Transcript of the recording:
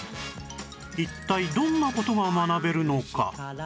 一体どんな事が学べるのか？